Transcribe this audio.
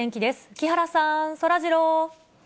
木原さん、そらジロー。